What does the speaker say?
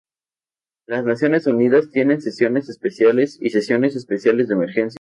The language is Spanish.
Las Naciones Unidas tienen sesiones especiales y sesiones especiales de emergencia.